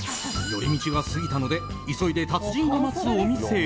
寄り道が過ぎたので急いで達人が待つお店へ。